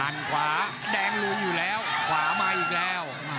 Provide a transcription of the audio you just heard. ขวาแดงลุยอยู่แล้วขวามาอีกแล้ว